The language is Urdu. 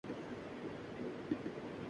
آپ میری بات نہیں سمجھ رہے